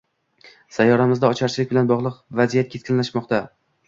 Sayyoramizda ocharchilik bilan bog‘liq vaziyat keskinlashmoqdang